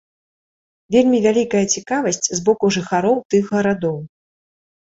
Вельмі вялікая цікавасць з боку жыхароў тых гарадоў.